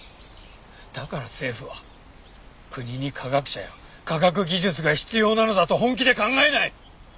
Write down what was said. だから政府は国に科学者や科学技術が必要なのだと本気で考えない！